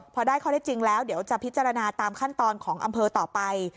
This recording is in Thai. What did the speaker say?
พอได้ข้อได้จริงแล้วเดี๋ยวจะพิจารณาตามขั้นตอนของอำเภอต่อไป